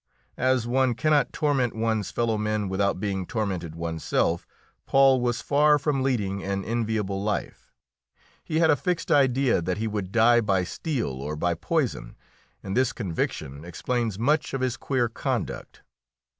As one cannot torment one's fellowmen without being tormented oneself, Paul was far from leading an enviable life. He had a fixed idea that he would die by steel or by poison, and this conviction explains much of his queer conduct.